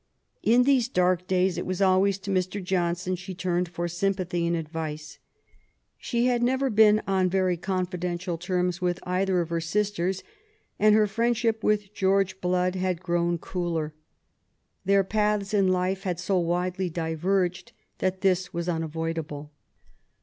In these dark days it was always to Mr. Johnson she turned for sympathy and advice. She had never been on very confidential terms with either of her sisters, and her friendship with George Slood had grown cooler. Their paths in life had so widely diverged that this was unavoidable..